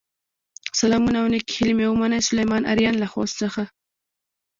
سلامونه او نیکې هیلې مې ومنئ، سليمان آرین له خوست څخه